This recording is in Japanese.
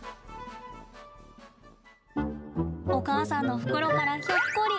お母さんの袋から、ひょっこり。